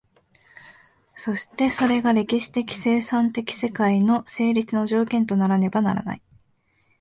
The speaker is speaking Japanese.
そしてそれが歴史的生産的世界の成立の条件とならねばならない。